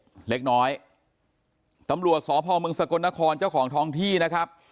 เล็กน้อยตำรวจสพเมืองสกลนครเจ้าของท้องที่นะครับ